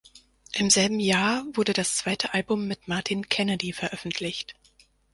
Im selben Jahr wurde das zweite Album mit Martin Kennedy veröffentlicht.